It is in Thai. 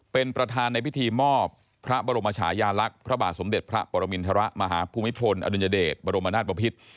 เป็นประธานในพิธีมอบพระบรมชายาลักษณ์พระบาทสมเด็จพระปรมินทรมาฮภูมิพลอดุลยเดชบรมนาศบพิษ